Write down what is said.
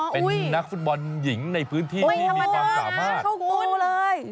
เป็นนักฟุตบอลหญิงในพื้นที่นี่มีความสามารถไม่ธรรมดานะขอบคุณเลย